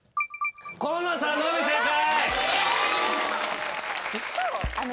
紺野さんのみ正解。